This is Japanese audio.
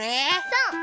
そう！